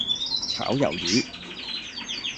炒魷魚